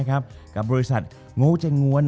จบการโรงแรมจบการโรงแรม